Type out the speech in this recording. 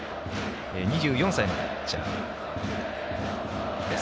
２４歳のピッチャー。